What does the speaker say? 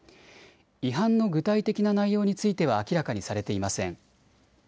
違反の具体的な内容については明らかにされていません。